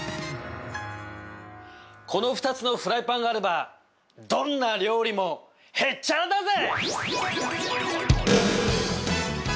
この２つのフライパンがあればどんな料理もへっちゃらだぜ！